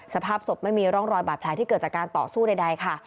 สภาพศพไม่มีร่องรอยบาดแผลที่เกิดจากการต่อสู้ใดค่ะ